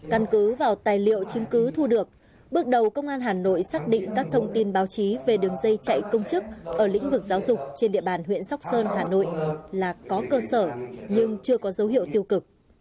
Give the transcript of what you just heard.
căn cứ vào tài liệu chứng cứ thu được bước đầu công an hà nội xác định các thông tin báo chí về đường dây chạy công chức ở lĩnh vực giáo dục trên địa bàn huyện sóc sơn hà nội là có cơ sở nhưng chưa có dấu hiệu tiêu cực